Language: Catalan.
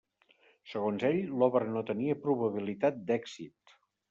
Segons ell, l'obra no tenia probabilitat d'èxit.